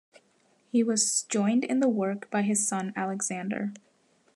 He was joined in the work by his son, Alexander.